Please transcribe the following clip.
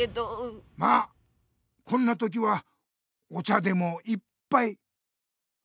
まあこんなときはお茶でも一ぱい！